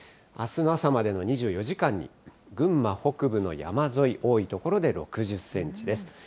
あすの朝までの２４時間に、群馬北部の山沿い、多い所で６０センチです。